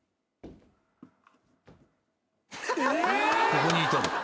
ここにいたのか？